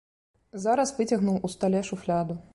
Зараз выцягнуў у стале шуфляду.